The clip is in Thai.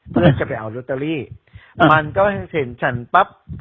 เพื่อจะไปเอาลอตเตอรี่มันก็เห็นฉันปั๊บ